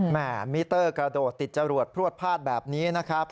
มิเตอร์กระโดดติดจรวดพรวดพาดแบบนี้นะครับ